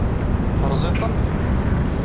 Teṛṛẓiḍ-ten?